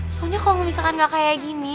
soalnya kalau misalkan nggak kayak gini